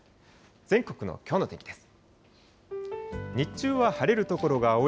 全国のきょうの天気です。